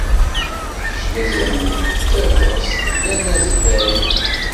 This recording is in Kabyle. Kečč d azamul, d tabɣest, d anazbay.